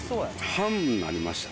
半分になりました。